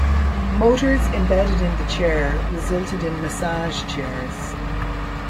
Motors embedded in the chair resulted in massage chairs.